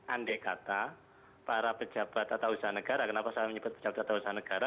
andai kata para pejabat tata usaha negara kenapa saya menyebut pejabat tata usaha negara